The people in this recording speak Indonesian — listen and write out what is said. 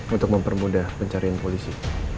untuk mempermudah pencarian polisi